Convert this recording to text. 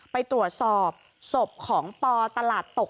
ไปตรวจสอบศพของปตลาดตก